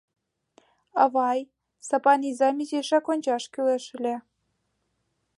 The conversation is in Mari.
— Авай, Сапан изам изишак ончаш кӱлеш ыле.